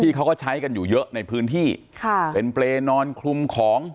เขาก็ใช้กันอยู่เยอะในพื้นที่ค่ะเป็นเปรย์นอนคลุมของ